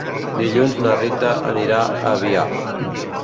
Dilluns na Rita anirà a Avià.